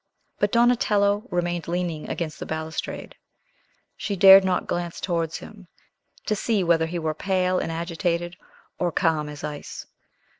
But Donatello remained leaning against the balustrade. She dared not glance towards him, to see whether he were pale and agitated, or calm as ice.